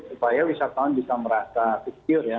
supaya wisatawan bisa merasa kecil ya